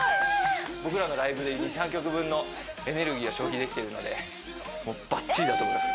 僕らのライブでいう２３曲分のエネルギーを消費できてるのでもうばっちりだと思います